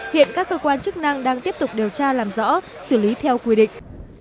hiện các cơ quan chức năng đang tiếp tục điều tra làm rõ xử lý theo quy định